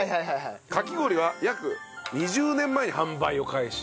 かき氷は約２０年前に販売を開始。